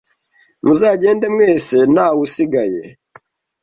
Muzagende mwese ntawe usigaye